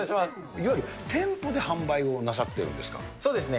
いわゆる店舗で販売をなさっそうですね。